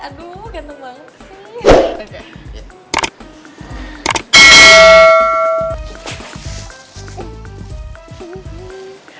aduh ganteng banget sih